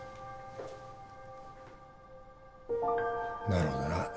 なるほどな。